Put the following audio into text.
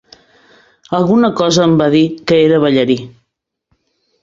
Alguna cosa em va dir que era ballarí.